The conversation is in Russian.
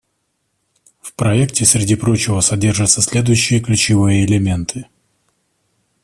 В проекте, среди прочего, содержатся следующие ключевые элементы.